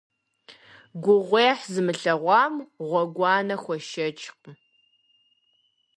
Гугъуехь зымылъэгъуам гъуэгуанэ хуэшэчкъым.